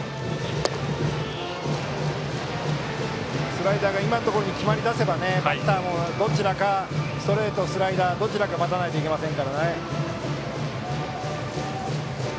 スライダーが今のところに決まりだせばバッターもストレート、スライダーのどちらかを待たないといけません。